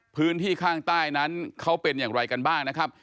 พื้นที่ข้างใต้นั้นเขาเป็นอย่างไรกันบ้างนะครับ